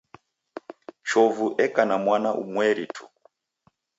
Chovu eka na mwana umweri tu.